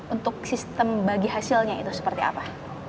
untuk sistem bagi hasilnya itu seperti apa